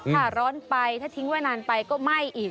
ถ้าร้อนไปถ้าทิ้งไว้นานไปก็ไหม้อีก